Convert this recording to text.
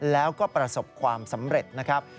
แล้วก็ประสบความสำเร็จนะครับ